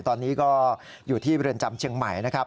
ตอนนี้ก็อยู่ที่บริเวณจำเชียงใหม่